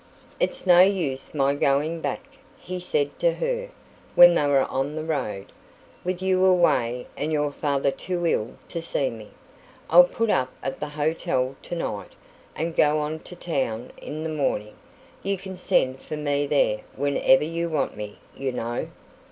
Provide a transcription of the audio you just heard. "It's no use my going back," he said to her, when they were on the road, "with you away, and your father too ill to see me. I'll put up at the hotel tonight, and go on to town in the morning. You can send for me there whenever you want me, you know."